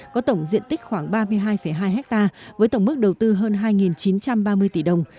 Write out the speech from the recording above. có tổng diện tích khoảng ba mươi hai hai ha với tổng mức đầu tư hơn hai chín trăm ba mươi tỷ đồng